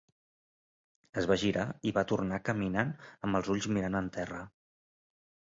Es va girar i va tornar caminant amb els ulls mirant en terra.